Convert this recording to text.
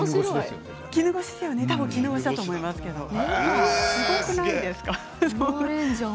たぶん絹ごしだと思いますけれども。